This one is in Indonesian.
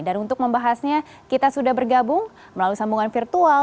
dan untuk membahasnya kita sudah bergabung melalui sambungan virtual